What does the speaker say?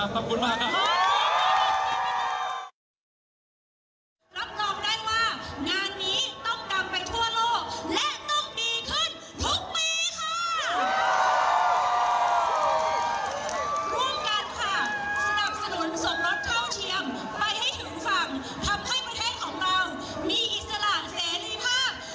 ขอบครับคุณค่ะสวัสดีค่ะ